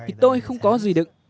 thì tôi không có gì đựng